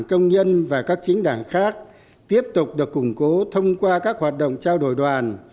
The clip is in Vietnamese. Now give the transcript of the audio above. công nhân và các chính đảng khác tiếp tục được củng cố thông qua các hoạt động trao đổi đoàn